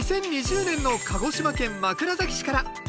２０２０年の鹿児島県枕崎市から。